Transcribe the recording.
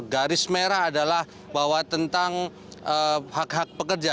garis merah adalah bahwa tentang hak hak pekerja